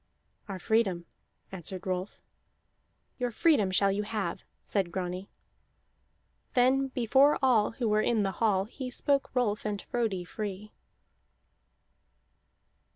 "Our freedom," answered Rolf. "Your freedom shall you have," said Grani. Then, before all who were in the hall, he spoke Rolf and Frodi free.